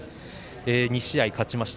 ２試合勝ちました。